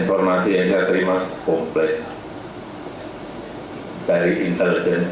pertama itu ikut bapak ibu dan bapak diri pitak yang mijak